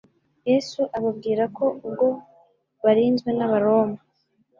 Yesu ababwira ko ubwo barinzwe n'abaroma,